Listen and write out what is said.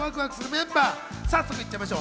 早速行っちゃいましょう。